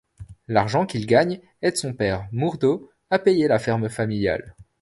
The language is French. L’argent qu’il gagne aide son père, Murdo, à payer la ferme familiale.